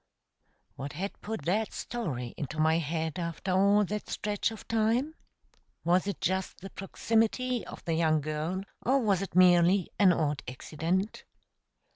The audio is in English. What had put that story into my head after all that stretch of time? Was it just the proximity of that young girl, or was it merely an odd accident?